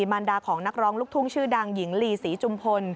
มันดาของนักร้องลูกทุ่งชื่อดังหญิงลีศรีจุมพล